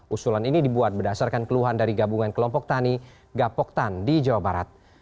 usulan ini dibuat berdasarkan keluhan dari gabungan kelompok tani gapoktan di jawa barat